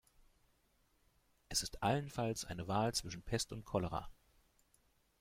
Es ist allenfalls eine Wahl zwischen Pest und Cholera.